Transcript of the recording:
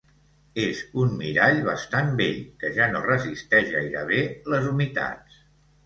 És un mirall bastant vell, que ja no resisteix gaire bé les humitats.